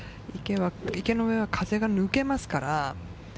池の上は風が抜けますから。